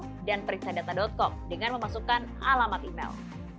seperti afas com dan periksadata dot kom dengan memasukkan alamat email